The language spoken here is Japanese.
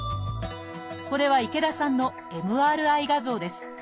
これは池田さんのＭＲＩ画像です。